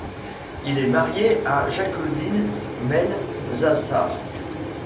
Il est marié à Jacqueline Melzassard.